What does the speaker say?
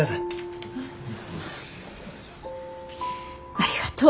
ありがとう。